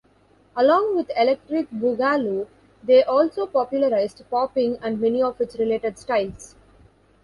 Along with electric boogaloo they also popularized popping and many of its related styles.